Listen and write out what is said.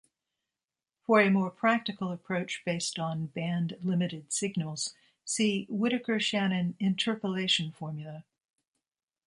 For a more practical approach based on band-limited signals, see Whittaker-Shannon interpolation formula.